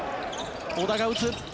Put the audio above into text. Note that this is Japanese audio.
小田が打つ。